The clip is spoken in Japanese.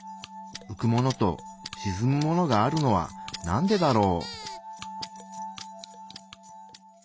うくものとしずむものがあるのはなんでだろう？